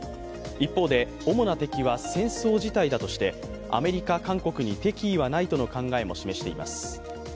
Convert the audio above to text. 一方で、主な敵は戦争自体だとしてアメリカ、韓国に敵意はないとの考えを示しています。